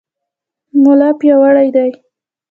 ملا پیاوړی دی.